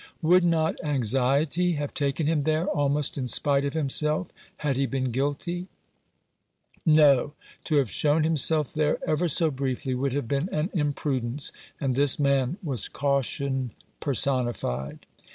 Would not anxiety have taken him there, almost in spite of himself, had he been guilty ? 287 Rough Justice. No. To have shown himself there ever so briefly would have been an imprudence ; and this man was caution personified.